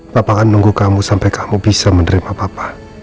papa akan nunggu kamu sampai kamu bisa menerima papa